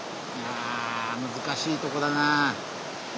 あ難しいとこだな。